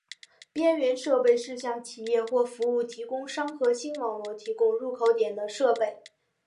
边缘设备是向企业或服务提供商核心网络提供入口点的设备。